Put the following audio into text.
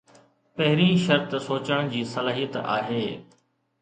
پهرين شرط سوچڻ جي صلاحيت آهي.